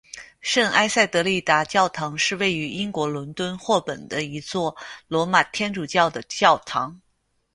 圣埃塞德丽达教堂是位于英国伦敦霍本的一座罗马天主教的教堂。